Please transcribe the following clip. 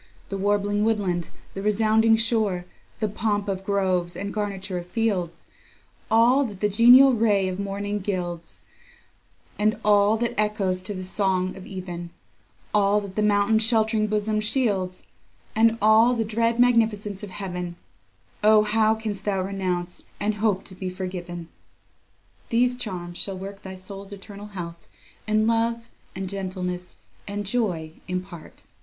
The warbling woodland, the resounding shore, The pomp of groves, and garniture of fields; All that the genial ray of morning gilds, And all that echoes to the song of even; All that the mountain's shelt'ring bosom shields, And all the dread magnificence of heaven; O how canst thou renounce, and hope to be forgiven! ..... These charms shall work thy soul's eternal health, And love, and gentleness, and joy, impart.